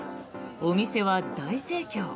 お店は大盛況。